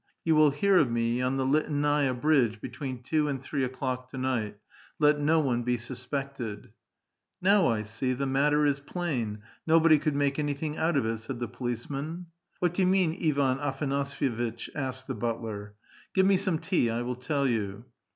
You will hear of me on the Liteinai'a bridge between two and three o'clock to night. Let no one be suspected." " Now I see, the matter is plain ; nobody could make any thing out of it," said the policeman. "What do you mean, Ivan Afanas3'^vitch ?" asked the butler. " Give me some tea. I will tell you."